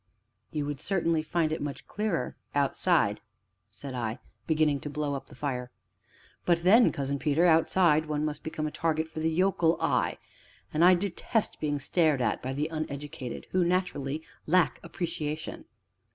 "You would certainly find it much clearer outside," said I, beginning to blow up the fire. "But then, Cousin Peter, outside one must become a target for the yokel eye, and I detest being stared at by the uneducated, who, naturally, lack appreciation.